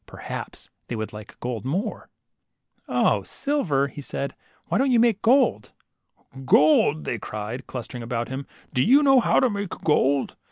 Perhaps they would like gold more ! 0, silver !" said he. Why don't you make gold?" Gold," they cried, clustering about him, do you know how to make gold?"